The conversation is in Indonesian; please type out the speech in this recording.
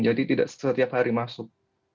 jadi tidak setiap hari masuk